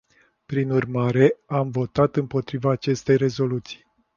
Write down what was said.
Prin urmare, am votat împotriva acestei rezoluții.